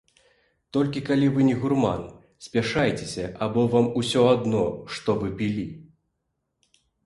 Толькі калі вы не гурман, спяшаецеся або вам усё адно, што вы пілі.